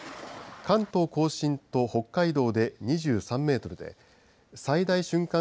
関東甲信と北海道で２３メートルで最大瞬間